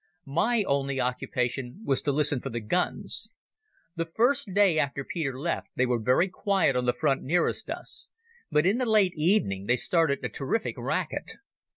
My only occupation was to listen for the guns. The first day after Peter left they were very quiet on the front nearest us, but in the late evening they started a terrific racket.